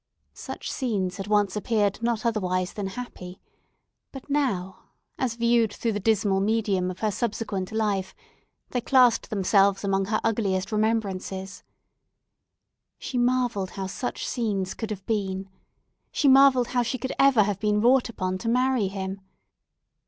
Such scenes had once appeared not otherwise than happy, but now, as viewed through the dismal medium of her subsequent life, they classed themselves among her ugliest remembrances. She marvelled how such scenes could have been! She marvelled how she could ever have been wrought upon to marry him!